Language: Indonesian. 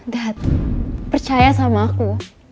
dad percaya sama aku